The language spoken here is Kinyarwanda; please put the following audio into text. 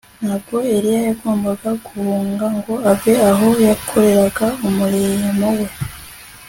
Ntabwo Eliya yagombaga guhunga ngo ave aho yakoreraga umurimo we